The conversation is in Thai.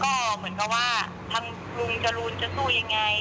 ก็เหมือนกับว่าทางลุงจรูนจะสู้ยังไง